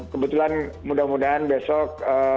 kebetulan mudah mudahan besok